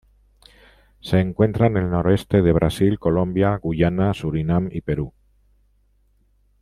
Se encuentran en el noroeste de Brasil, Colombia, Guyana, Suriname y Perú.